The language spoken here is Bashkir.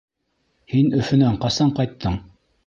Һин Өфөнән ҡасан ҡайттың?